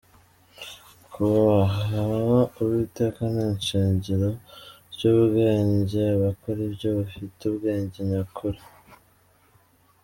"Kubaha Uwiteka ni ishingiro ry'ubwenge, abakora ibyo bafite ubwenge nyakuri.